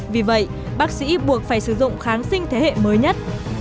vì vậy bác sĩ buộc phải sử dụng kháng sinh thế hệ mới nhất